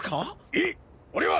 えっ俺は！